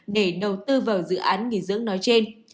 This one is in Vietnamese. để đầu tư vào dự án nghỉ dưỡng nói trên